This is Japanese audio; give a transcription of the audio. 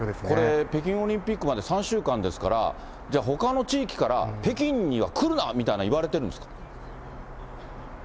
これ、北京オリンピックまで３週間ですから、じゃあ、ほかの地域から、北京には来るなみたいに言われてるんですか？